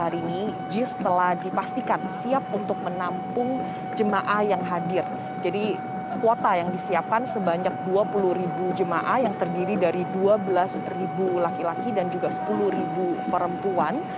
sepuluh ribu jemaah yang terdiri dari dua belas ribu laki laki dan juga sepuluh ribu perempuan